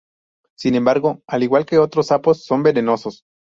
Sin embargo, al igual que otros sapos, son venenosos.